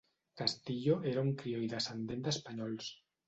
Castillo era un crioll descendent d'espanyols.